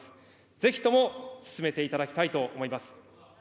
ぜひとも進めていただきたいと思います。